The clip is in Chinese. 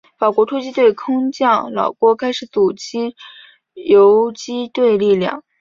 法国突击队空降老挝开始组织游击队力量。